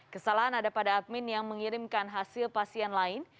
kesalahan ada pada admin yang mengirimkan hasil pasien lain